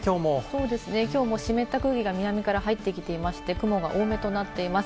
そうですね、きょうも湿った空気が南から入ってきていまして、雲が多めとなっています。